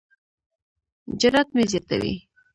جرات مې زیاتوي.